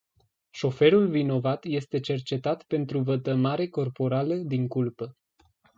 Șoferul vinovat este cercetat pentru vătămare corporală din culpă.